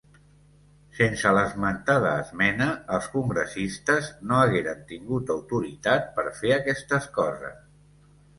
Sense l'esmentada esmena, els congressistes no hagueren tingut autoritat per fer aquestes coses.